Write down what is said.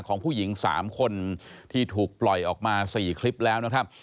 ของผู้หญิง๓คนที่ถูกปล่อยออกมา๔คลิปแล้วนะครับ